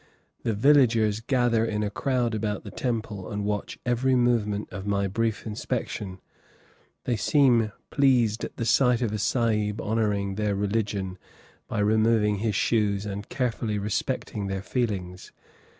The villagers gather in a crowd about the temple and watch every movement of my brief inspection; they seem pleased at the sight of a Sahib honoring their religion by removing his shoes and carefully respecting their feelings.